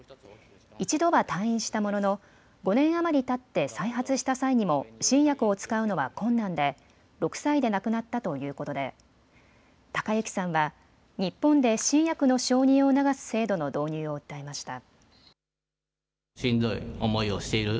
一度は退院したものの５年余りたって再発した際にも新薬を使うのは困難で６歳で亡くなったということで隆行さんは日本で新薬の承認を促す制度の導入を訴えました。